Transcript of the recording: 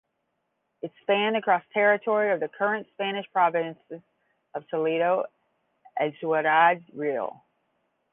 It spanned across territory of the current Spanish provinces of Toledo and Ciudad Real.